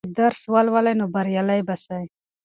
که تاسې درس ولولئ نو بریالي به سئ.